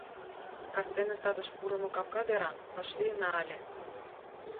Кастене садыш пурымо капка деран вашлийына ыле.